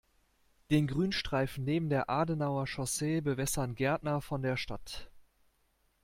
Den Grünstreifen neben der Adenauer-Chaussee bewässern Gärtner von der Stadt.